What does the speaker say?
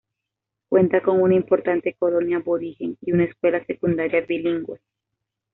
Cuenta con una importante colonia aborigen, y una escuela secundaria bilingüe.